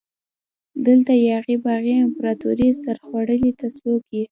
دلته یاغي باغي امپراتوري سرخوړلي ته څوک يي؟